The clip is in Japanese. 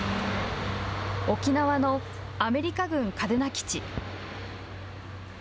沖縄のアメリカ軍嘉手納基地。